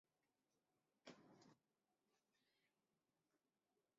白樟镇是中国福建省福州市闽清县下辖的一个镇。